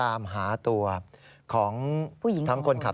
มันเกิดเหตุเป็นเหตุที่บ้านกลัว